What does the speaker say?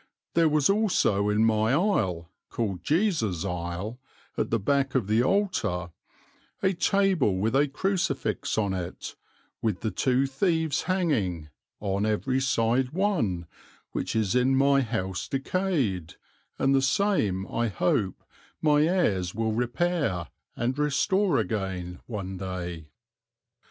There was also in my Ile, called Jesus Ile, at the back of the Altar, a table with a crucifix on it, with the two thieves hanging, on every side one, which is in my house decayed, and the same I hope my heires will repaire, and restore again, one day."